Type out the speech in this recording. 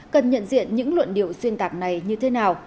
cần nhận diện những luận điệu xuyên tạc này như thế nào